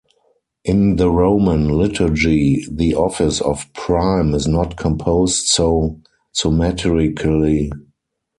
In the Roman Liturgy the office of Prime is not composed so symmetrically.